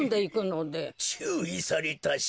「ちゅういされたし」